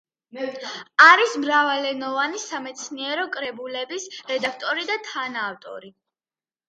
არის მრავალენოვანი სამეცნიერო კრებულების რედაქტორი და თანაავტორი.